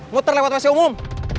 muter lewat wc umum